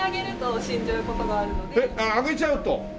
ああ上げちゃうと。